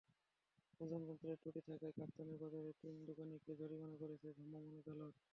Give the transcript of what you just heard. ওজন যন্ত্রের ত্রুটি থাকায় কাপ্তান বাজারের তিন দোকানিকে জরিমানা করেছেন ভ্রাম্যমাণ আদালত।